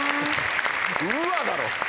「うわ」だろ。